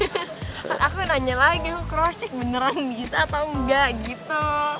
aku nanya lagi kurocek beneran bisa atau enggak gitu